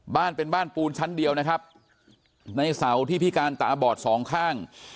บ้านเป็นบ้านปูนชั้นเดียวนะครับในเสาที่พิการตาบอดสองข้าง